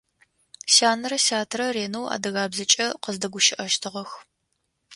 Сянэрэ сятэрэ ренэу адыгабзэкӏэ къыздэгущыӏэщтыгъэх.